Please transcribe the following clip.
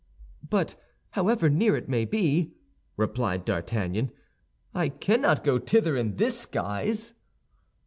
"But however near it may be," replied D'Artagnan, "I cannot go thither in this guise."